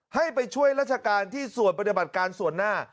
ให้ไปช่วยราชการที่ส่วนปฏิบัติการส่วนหน้า